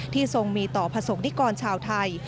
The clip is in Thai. ที่ทรงมีต่อผสกนิกรชาวไทย